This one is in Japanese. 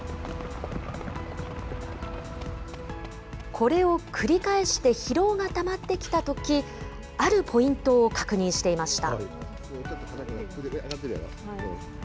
これを繰り返して疲労がたまってきたとき、あるポイントを確認していました。